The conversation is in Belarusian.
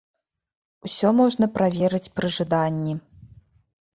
Усё можна праверыць пры жаданні.